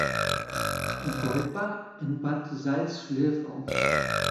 Goldbach, in Bad Salzschlirf auf.